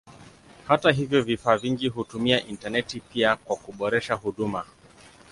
Hata hivyo vifaa vingi hutumia intaneti pia kwa kuboresha huduma.